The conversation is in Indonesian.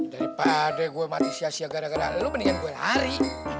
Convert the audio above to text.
daripada gue mati sia sia gara gara lo mendingan gue lari